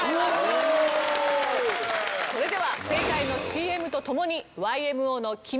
それでは正解のＣＭと共にＹＭＯの『君に、胸キュン。』